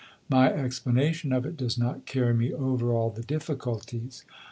My explanation of it does not carry me over all the difficulties.